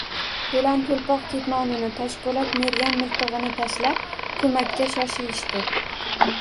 To‘lan to‘lpoq ketmonini, Toshpo‘lat mergan miltig‘ini tashlab, ko‘makka shoshilishdi